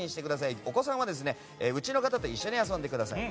お子さんはおうちの方と一緒に遊んでくださいね。